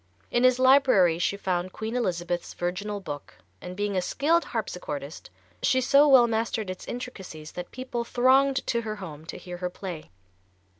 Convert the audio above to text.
In his library she found Queen Elizabeth's Virginal Book, and being a skilled harpsichordist, she so well mastered its intricacies that people thronged to her home to hear her play.